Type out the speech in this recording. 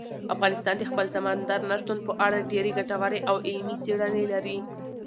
افغانستان د خپل سمندر نه شتون په اړه ډېرې ګټورې او علمي څېړنې لري.